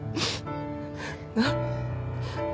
なっ？